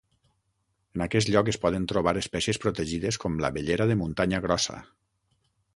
En aquest lloc es poden trobar espècies protegides com l'abellera de muntanya grossa.